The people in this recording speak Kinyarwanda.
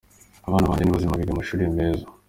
Abana banjye ni bazima, biga mu mashuri meza.